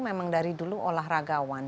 memang dari dulu olahragawan